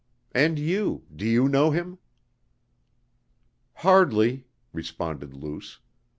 And you, do you know him?" "Hardly," responded Luce.